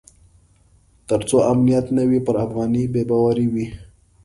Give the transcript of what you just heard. تر څو امنیت نه وي پر افغانۍ بې باوري وي.